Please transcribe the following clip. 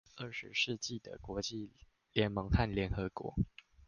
二十世紀的國際聯盟和聯合國